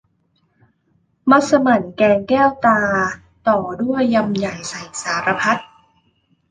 มัสหมั่นแกงแก้วตา ต่อด้วยยำใหญ่ใส่สารพัด